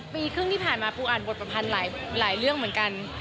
ปีครึ่งที่ผ่านมาปูอ่านบทประพันธ์หลายเรื่องเหมือนกัน